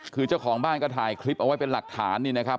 คือเจ้าของบ้านก็ถ่ายคลิปเอาไว้เป็นหลักฐานนี่นะครับ